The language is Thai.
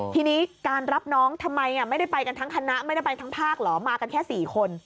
ทีนี้การรับน้องทำไมไม่ได้ไปกันทั้งคณะไม่ได้ไปทั้งภาคเหรอมากันแค่๔คน